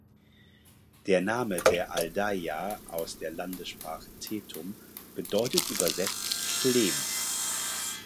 Der Name der Aldeia aus der Landessprache Tetum bedeutet übersetzt „Lehm“.